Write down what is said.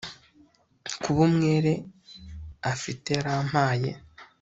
Kuba umwere afite yarampaye